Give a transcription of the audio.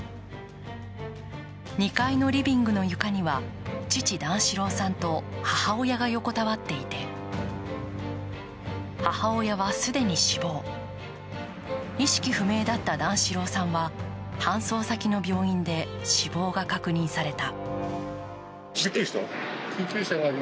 ２階のリビングの床には父・段四郎さんと母親が横たわっていて母親は既に死亡、意識不明だった段四郎さんは搬送先の病院で死亡が確認された。